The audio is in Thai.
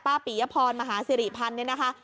ป้าปิยพรมหาศิริพันธ์นี่นะคะ